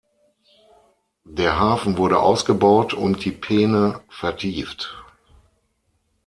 Der Hafen wurde ausgebaut und die Peene vertieft.